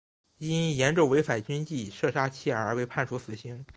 因严重违反军纪射杀妻儿而被判处死刑。